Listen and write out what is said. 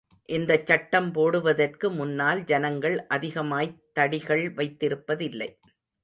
இந்தச்சட்டம் போடுவதற்கு முன்னால் ஜனங்கள் அதிகமாய்த் தடிகள் வைத்திருப்பதில்லை.